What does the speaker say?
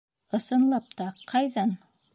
— Ысынлап та, ҡайҙан?